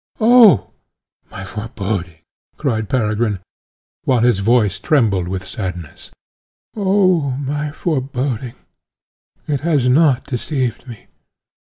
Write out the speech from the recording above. "Oh, my foreboding!" cried Peregrine, while his voice trembled with sadness. "Oh, my foreboding! it has not deceived me.